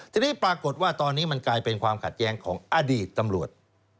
ทีนี้ปรากฏว่าตอนนี้มันกลายเป็นความขัดแย้งของอดีตตำรวจ